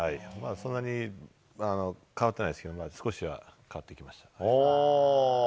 そんなに変わってないですけど、少しは変わってきました。